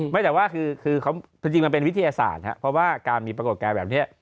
ไม่แต่ว่าคือจริงมันเป็นวิทยาศาสตร์ครับเพราะว่าการมีปรากฏการณ์แบบนี้